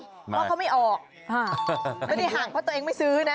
เพราะเขาไม่ออกไม่ได้ห่างเพราะตัวเองไม่ซื้อนะ